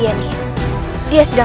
dia sedang berada di dalam kebaikan